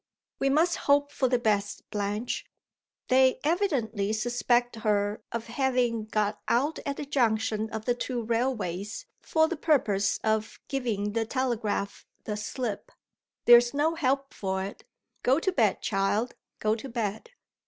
"We must hope for the best, Blanche. They evidently suspect her of having got out at the junction of the two railways for the purpose of giving the telegraph the slip. There is no help for it. Go to bed, child go to bed."